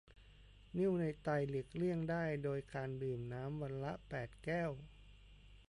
นิ่วในไตหลีกเลี่ยงได้โดยการดื่มน้ำวันละแปดแก้ว